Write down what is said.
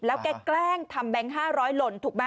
แล้วแกแกล้งทำแบงค์๕๐๐หล่นถูกไหม